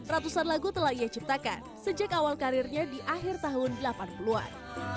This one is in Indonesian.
ratusan lagu telah ia ciptakan sejak awal karirnya di akhir tahun delapan puluh an